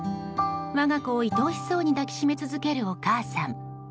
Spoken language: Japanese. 我が子を愛おしそうに抱きしめ続けるお母さん。